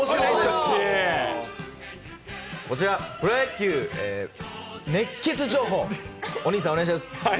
こちら、プロ野球熱ケツ情報、お兄さん、お願いします。